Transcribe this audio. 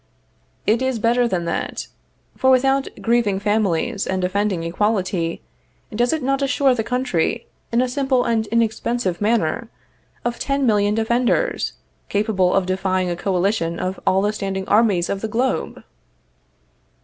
It is better than that. For without grieving families and offending equality, does it not assure the country, in a simple and inexpensive manner, of ten million defenders, capable of defying a coalition of all the standing armies of the globe?